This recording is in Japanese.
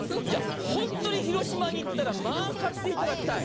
本当に広島に行ったらまあ買っていただきたい。